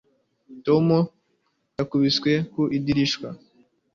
Tom yakubise ku idirishya